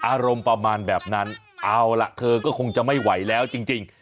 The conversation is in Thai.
อารมณ์ประมาณแบบนั้นเอาล่ะเธอก็คงจะไม่ไหวแล้วจริง